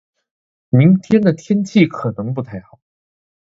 明天的天气可能不太好。